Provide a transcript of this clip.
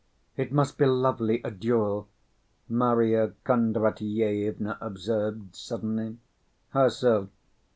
"It must be lovely, a duel," Marya Kondratyevna observed suddenly. "How so?"